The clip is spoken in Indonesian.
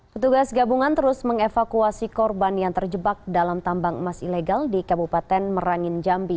petugas gabungan terus mengevakuasi korban yang terjebak dalam tambang emas ilegal di kabupaten merangin jambi